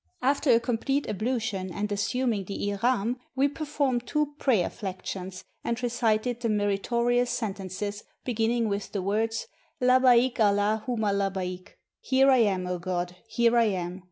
After a complete ablution and assuming the ihrdm, 537 ARABIA we performed two prayer flections, and recited the meri torious sentences beginning with the words, "Labbaik Allah, huma labbaik! " "Here I am, 0 God, here I am